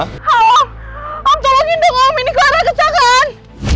halo om tolongin dong om ini kelana kecelakaan